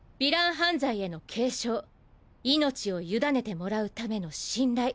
犯罪への警鐘命を委ねてもらう為の信頼。